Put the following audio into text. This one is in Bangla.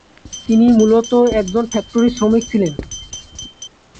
তিনি মূলত একজন ফ্যাক্টরি শ্রমিক ছিলেন।